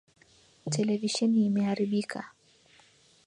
Televisheni imeharibika.